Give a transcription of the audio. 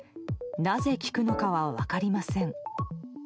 なぜ効くのかは分かりません。